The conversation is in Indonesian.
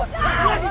udah udah udah